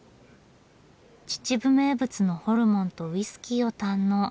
秩父名物のホルモンとウイスキーを堪能。